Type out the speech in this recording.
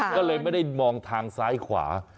ก็เลยไม่ได้มองทางซ้ายขวา